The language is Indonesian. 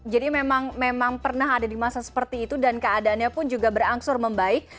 memang pernah ada di masa seperti itu dan keadaannya pun juga berangsur membaik